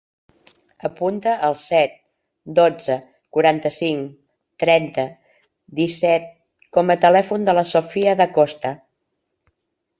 Apunta el set, dotze, quaranta-cinc, trenta, disset com a telèfon de la Sofía Da Costa.